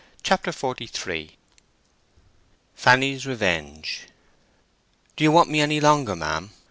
CHAPTER XLIII FANNY'S REVENGE "Do you want me any longer ma'am?"